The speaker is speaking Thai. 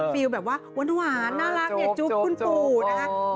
ฟิลแบบว่าหวานน่ารักเนี่ยจุ๊บคุณปู่นะคะ